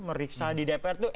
meriksa di dpr tuh